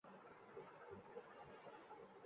پیغمبر اور خدا کا تعلق کیا ہے؟